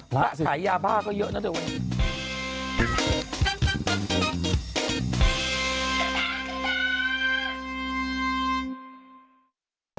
พระสายยาพ่าก็เยอะนะ